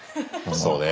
そうね。